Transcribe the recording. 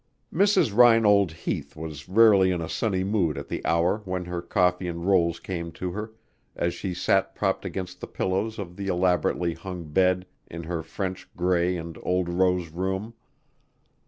Mrs. Reinold Heath was rarely in a sunny mood at the hour when her coffee and rolls came to her, as she sat propped against the pillows of the elaborately hung bed in her French gray and old rose room.